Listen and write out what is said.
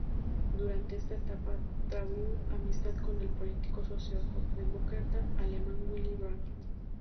Durante esta etapa trabó amistad con el político socialdemócrata alemán Willy Brandt.